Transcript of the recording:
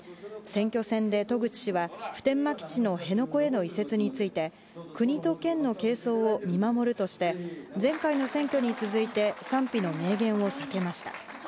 選挙戦で渡具知氏は普天間基地の辺野古への移設について国と県の係争を見守るとして前回の選挙に続いて賛否の明言を避けました。